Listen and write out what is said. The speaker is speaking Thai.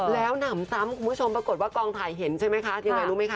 แล้วหนำซ้ำคุณผู้ชมปรากฏว่ากองถ่ายเห็นใช่ไหมคะยังไงรู้ไหมคะ